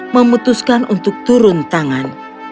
memutuskan untuk turun tangan